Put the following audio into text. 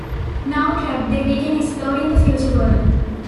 Now trapped, they begin exploring the future world.